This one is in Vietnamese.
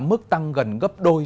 mức tăng gần gấp đôi